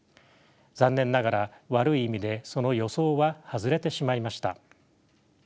残念ながら悪い意味でその予想は外れてしまいました。